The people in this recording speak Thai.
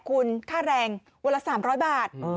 คุณค่าแรงวันละ๓๐๐บาท